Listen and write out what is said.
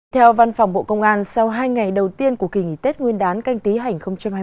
theo văn phòng bộ công an sau hai ngày đầu tiên của kỳ nghỉ tết nguyên đán canh tí hành hai mươi